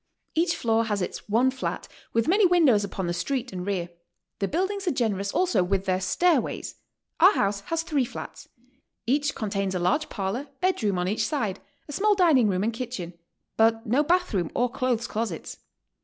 Each floor has its one flat, with many windows upon the street and rear. The buildings are generous also with their stairways. Our house has three flats. Each contains a large parlor, bed room on each side, a small dining room and kitchen, but no bath room or cloihes closets.